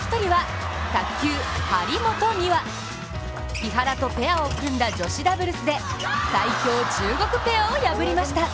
木原とペアを組んだ女子ダブルスで最強中国ペアを破りました。